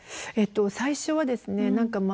最初はですね